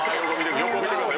横見てください。